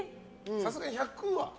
さすがに１００は？